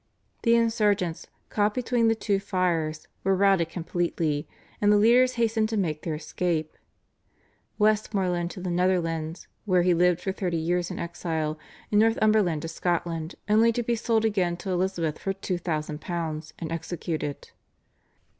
The insurgents, caught between the two fires, were routed completely, and the leaders hastened to make their escape. Westmoreland to the Netherlands, where he lived for thirty years in exile, and Northumberland to Scotland only to be sold again to Elizabeth for £2,000 and executed.